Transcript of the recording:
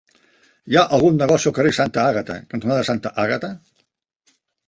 Hi ha algun negoci al carrer Santa Àgata cantonada Santa Àgata?